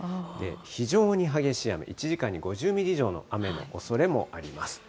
非常に激しい雨、１時間に５０ミリ以上の雨のおそれもあります。